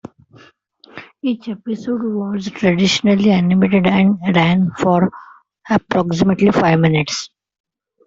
Each episode was traditionally animated and ran for approximately five minutes.